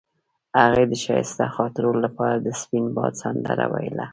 هغې د ښایسته خاطرو لپاره د سپین باد سندره ویله.